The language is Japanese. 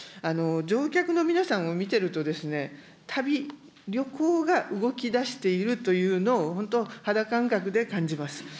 乗客の皆さんを見てると、旅、旅行が動きだしているというのを、本当、肌感覚で感じます。